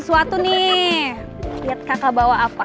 mulai papa namanyaagasi kepala humbled